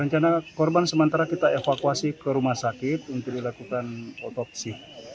rencana korban sementara kita evakuasi ke rumah sakit untuk dilakukan otopsi